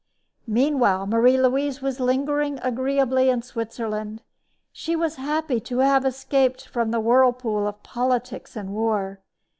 Meanwhile Marie Louise was lingering agreeably in Switzerland. She was happy to have escaped from the whirlpool of politics and war.